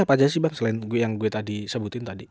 apa aja sih bang selain gue yang gue tadi sebutin tadi